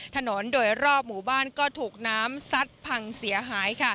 ถนนโดยรอบหมู่บ้านก็ถูกน้ำซัดพังเสียหาย